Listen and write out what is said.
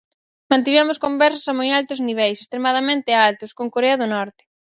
Mantivemos conversas a moi altos niveis, extremadamente altos, con Corea do Norte.